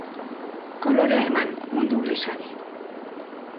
kolorea eman mundu grisari